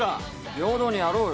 平等にやろうよ。